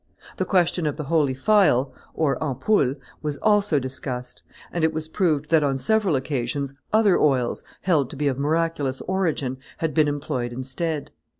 The question of the holy phial (ampoule) was also discussed; and it was proved that on several occasions other oils, held to be of miraculous origin, had been employed instead.